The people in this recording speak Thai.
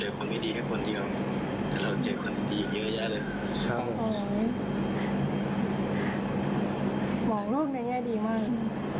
หมองโลกแบบนี้ดีมาก